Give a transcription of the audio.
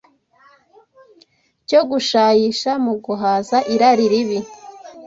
cyo gushayisha mu guhaza irari ribi?